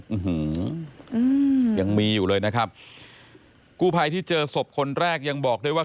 อืมยังมีอยู่เลยนะครับกู้ภัยที่เจอศพคนแรกยังบอกด้วยว่า